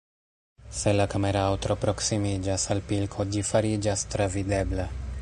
Se la kamerao tro proksimiĝas al pilko, ĝi fariĝas travidebla.